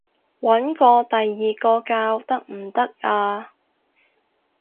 搵過第二個教得唔得啊？